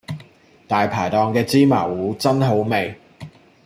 大排檔嘅芝麻糊真好味